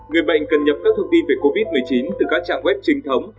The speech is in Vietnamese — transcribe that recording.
ba người bệnh cần nhập các thông tin về covid một mươi chín từ các trạng web trinh thống